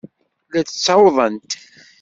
La d-ttawḍent.